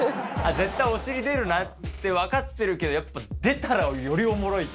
絶対お尻出るなってわかってるけど、やっぱ、出たらよりおもろいって。